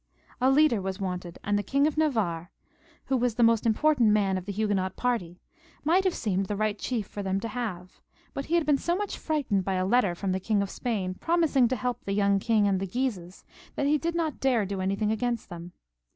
A leader was wanted; and the King of Navarre, xxxviL] FRANCIS II. 267 who was the most important man of the Huguenot party, might have seemed the right chief for them to have ; but he had been so much frightened bj a letter from the King of Spain, promising to help the young king and the Guises, that he did not dare to do anything against them.